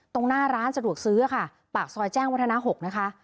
ตรงหน้าร้านสะดวกซื้อปากซอยแจ้งวัฒนา๖